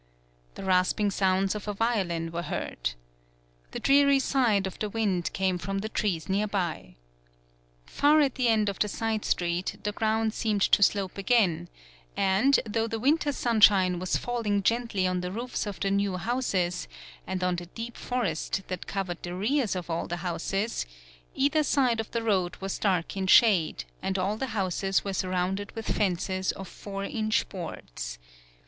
The rasping sounds of a violin were heard. The dreary sigh of the wind came from the trees near by. Far at the end of the side street the ground seemed to slope again, and, though the winter sunshine was falling gently on the roofs of the new houses and on the deep forest that covered the rears of all the houses, either side of the road was dark in shade, and all the houses were surrounded with fences of four inch boards.